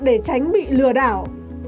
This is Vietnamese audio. để tránh bị lừa đảo